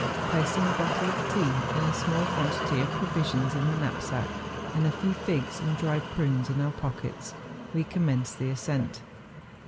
Placing a bottle of tea and a small quantity of provisions in the knapsack, and a few figs and dried prunes in our pockets, we commenced the ascent.